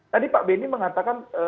tadi pak beni mengatakan